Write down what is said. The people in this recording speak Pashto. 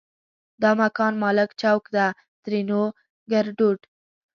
دا مکان مالک چوک ده؛ ترينو ګړدود